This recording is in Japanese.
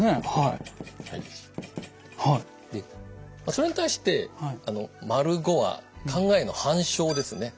それに対して⑤は「考えへの反証」ですね。